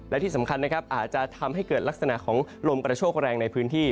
และที่สำคัญนะครับอาจจะทำให้เกิดลักษณะของลมกระโชคแรงในพื้นที่